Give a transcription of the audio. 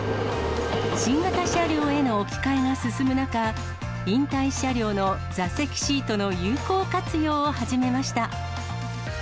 新型車両への置き換えが進む中、引退車両の座席シートの有効活用を始めました。